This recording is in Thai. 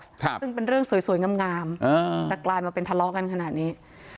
ซึ่งเป็นเรื่องสวยงามแต่กลายมาเป็นทะเลาะกันขนาดนี้